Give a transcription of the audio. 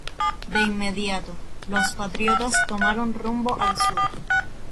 De inmediato, los patriotas tomaron rumbo al sur.